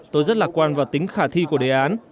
tôi rất lạc quan vào tính khả thi của đề án